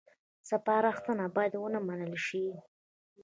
سپارښتنه باید ونه منل شي